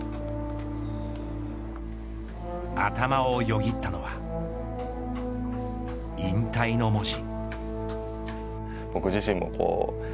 頭をよぎったのは引退の文字。